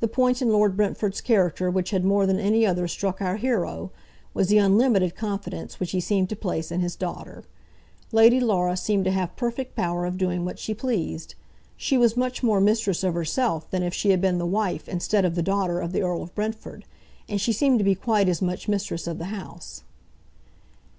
The point in Lord Brentford's character which had more than any other struck our hero, was the unlimited confidence which he seemed to place in his daughter. Lady Laura seemed to have perfect power of doing what she pleased. She was much more mistress of herself than if she had been the wife instead of the daughter of the Earl of Brentford, and she seemed to be quite as much mistress of the house.